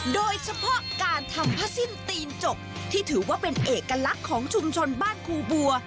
โดยเฉพาะการทำผ้าสิ้นตีนจกที่ถือว่าเป็นเอกลักษณ์ของชุมชนบ้านครูบัว